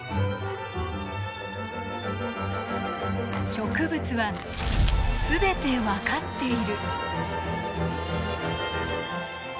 植物は全て分かっている。